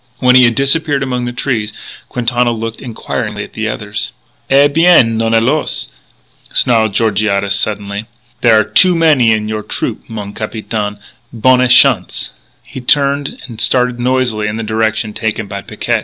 When he had disappeared among the trees, Quintana looked inquiringly at the others. "Eh, bien, non alors!" snarled Georgiades suddenly. "There are too many in your trupeau, mon capitaine. Bonne chance!" He turned and started noisily in the direction taken by Picquet.